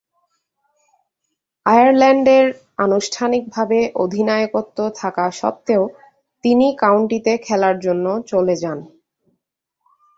আয়ারল্যান্ডের আনুষ্ঠানিকভাবে অধিনায়কত্ব থাকা স্বত্ত্বেও তিনি কাউন্টিতে খেলার জন্য চলে যান।